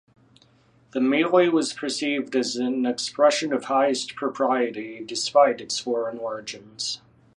The mili was perceived as an expression of highest propriety despite its foreign origins.